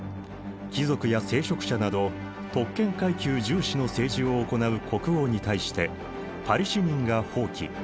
貴族や聖職者など特権階級重視の政治を行う国王に対してパリ市民が蜂起。